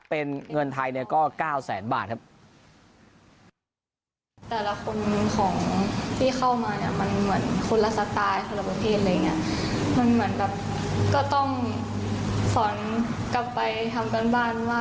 เป็นเงินไทยก็๙แสนบาทครับ